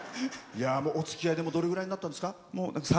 おつきあい、どれぐらいになったんですか？